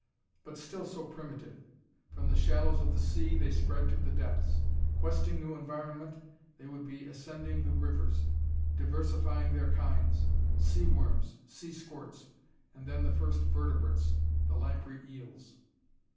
But still so primitive! From the shallows of the sea, they spread to the depths. Questing new environment, they would be ascending the rivers. Diversifying their kinds. Sea worms, sea squirts: and then the first vertebrates, the lamprey eels.